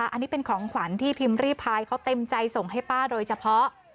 อันนี้เป็นของขวัญที่พิมพ์รีพายเขาเต็มใจส่งให้ป้าโดยเฉพาะ